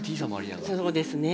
そうですね。